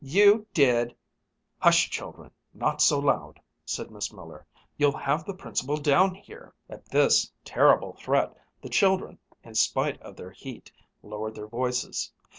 You did " "Hush, children! Not so loud!" said Miss Miller. "You'll have the Principal down here!" At this terrible threat the children, in spite of their heat, lowered their voices.